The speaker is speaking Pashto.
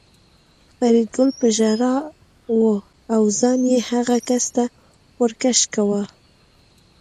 فریدګل په ژړا و او ځان یې هغه کس ته ور کش کاوه